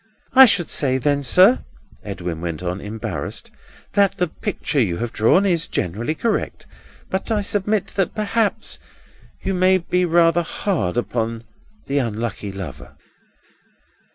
"I should say, then, sir," Edwin went on, embarrassed, "that the picture you have drawn is generally correct; but I submit that perhaps you may be rather hard upon the unlucky lover."